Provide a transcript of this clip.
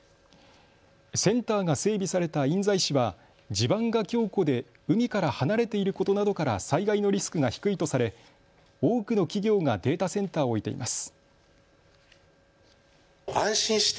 センターが整備された印西市は地盤が強固で海から離れていることなどから災害のリスクが低いとされ、多くの企業がデータセンターを置いています。